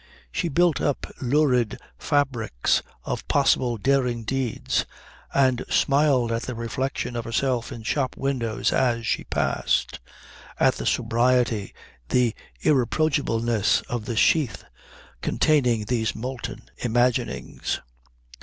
She built up lurid fabrics of possible daring deeds, and smiled at the reflection of herself in shop windows as she passed, at the sobriety, the irreproachableness of the sheath containing these molten imaginings.